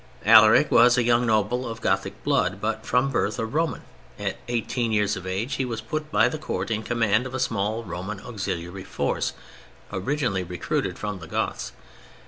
Alaric was a young noble of Gothic blood, but from birth a Roman; at eighteen years of age he was put by the Court in command of a small Roman auxiliary force originally recruited from the Goths.